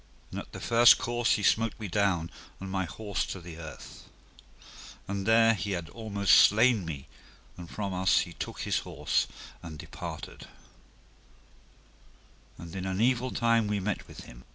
And at the first course he smote me down and my horse to the earth. And there he had almost slain me, and from us he took his horse and departed, and in an evil time we met with him.